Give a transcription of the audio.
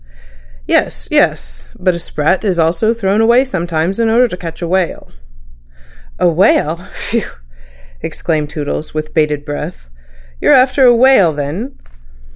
"Yes. Yes. But a sprat is also thrown away sometimes in order to catch a whale." "A whale. Phew!" exclaimed Toodles, with bated breath. "You're after a whale, then?"